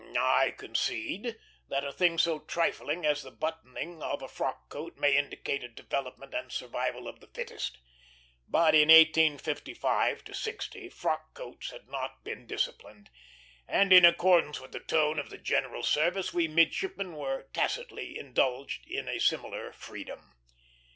I concede that a thing so trifling as the buttoning of a frock coat may indicate a development and survival of the fittest; but in 1855 60 frock coats had not been disciplined, and in accordance with the tone of the general service we midshipmen were tacitly indulged in a similar freedom.